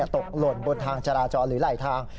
หล่นบนทางจราจรหรือไหลทาง